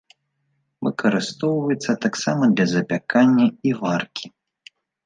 Выкарыстоўваецца таксама для запякання і варкі.